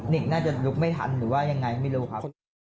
เด็กน่าจะลุกไม่ทันหรือว่ายังไงไม่รู้ครับ